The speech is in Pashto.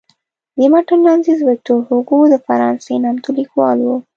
د متن لنډیز ویکتور هوګو د فرانسې نامتو لیکوال و.